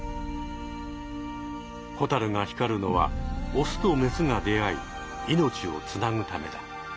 ホタルが光るのはオスとメスが出会い命をつなぐためだ。